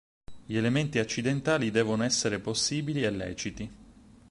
Gli elementi accidentali devono essere possibili e leciti.